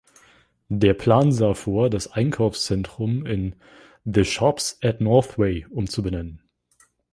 Der Plan sah vor, das Einkaufszentrum in The Shoppes at Northway umzubenennen.